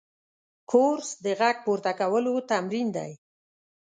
کورس د غږ پورته کولو تمرین دی.